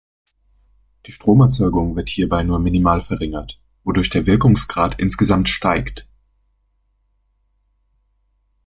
Die Stromerzeugung wird hierbei nur minimal verringert, wodurch der Wirkungsgrad insgesamt steigt.